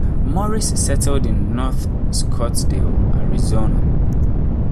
Morris settled in North Scottsdale, Arizona.